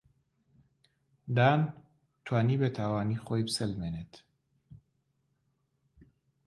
دان توانی بێتاوانی خۆی بسەلمێنێت.